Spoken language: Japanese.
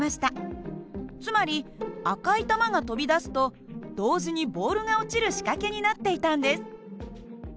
つまり赤い球が飛び出すと同時にボールが落ちる仕掛けになっていたんです。